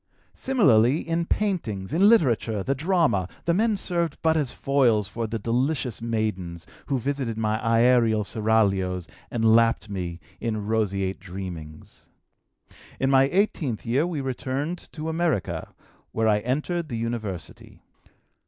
Similarly in paintings, in literature, the drama, the men served but as foils for the delicious maidens, who visited my aërial seraglios and lapped me in roseate dreamings. "In my eighteenth year we returned to America, where I entered the university.